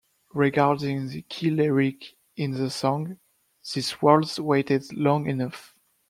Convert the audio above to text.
Regarding the key lyric in the song, This world's waited long enough.